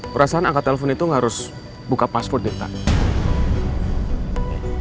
perasaan angkat telpon itu gak harus buka password ya kan